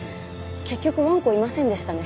結局わんこいませんでしたね。